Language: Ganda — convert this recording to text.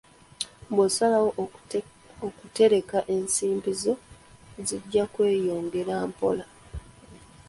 Bw'osalawo okutereka ensimbi zo, zijja kweyongera mpola.